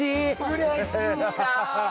うれしいなあ！